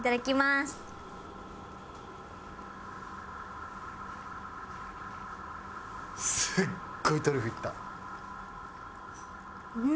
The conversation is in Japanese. すっごいトリュフいった。